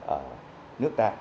ở nước ta